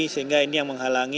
sehingga ini yang menghalangi